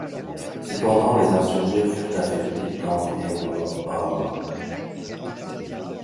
Cependant les insurgés furent affaiblis d'environ hommes.